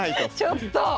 ちょっと！